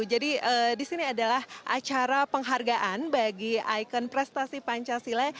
jadi di sini adalah acara penghargaan bagi ikon prestasi pancasila